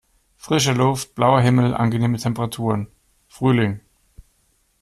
Frische Luft, blauer Himmel, angenehme Temperaturen: Frühling!